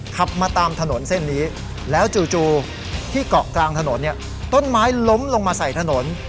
ขับมาตามถนนเส้นนี้แล้วจู่ที่เกาะกลางถนนเนี่ยต้นไม้ล้มลงมาใส่ถนน